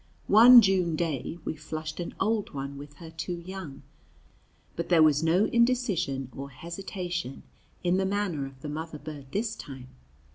One June day we flushed an old one with her two young, but there was no indecision or hesitation in the manner of the mother bird this time.